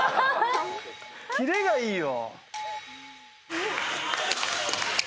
キレがいいよ！